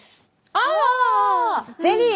あぁゼリー。